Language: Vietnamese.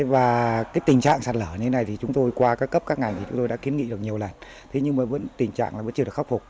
và tình trạng sạt lở như thế này chúng tôi qua các cấp các ngày chúng tôi đã kiến nghị được nhiều lần nhưng tình trạng vẫn chưa được khắc phục